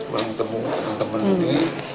menemukan teman teman ini